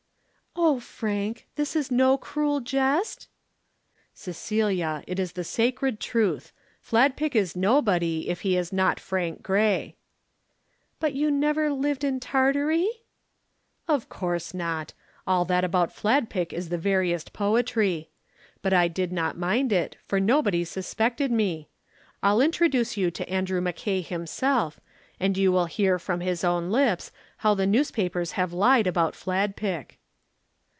"Oh, Frank, this is no cruel jest?" "Cecilia, it is the sacred truth. Fladpick is nobody, if he is not Frank Grey." "But you never lived in Tartary?" "Of course not. All that about Fladpick is the veriest poetry. But I did not mind it, for nobody suspected me. I'll introduce you to Andrew Mackay himself, and you shall hear from his own lips how the newspapers have lied about Fladpick."